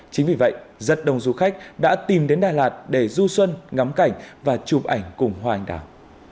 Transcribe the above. chính vì vậy rất đông du khách đã tìm đến đà lạt để du xuân ngắm cảnh và chụp ảnh cùng hoa anh đào